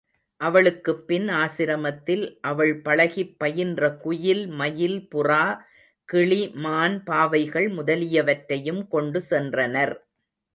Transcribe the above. அவளுக்குப்பின் ஆசிரமத்தில் அவள் பழகிப் பயின்ற குயில், மயில், புறா, கிளி, மான், பாவைகள் முதலியவற்றையும் கொண்டு சென்றனர்.